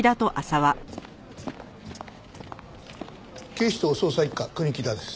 警視庁捜査一課国木田です。